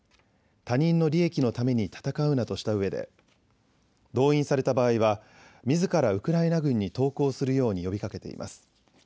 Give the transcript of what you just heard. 他人の利益のために戦うなとしたうえで動員された場合はみずからウクライナ軍に投降するように呼びかけています。